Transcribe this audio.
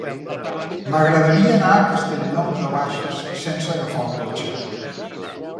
M'agradaria anar a Castellnou de Bages sense agafar el cotxe.